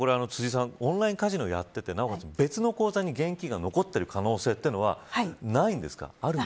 辻さん、オンラインカジノをやっていて、なおかつ別の口座に現金が残っている可能性はないんですか。